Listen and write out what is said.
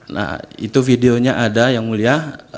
nah itu videonya ada yang mulia